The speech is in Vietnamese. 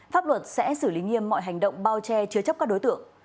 pháp luật sẽ xử lý nghiêm mọi hành động bao che chứa chấp các đối tượng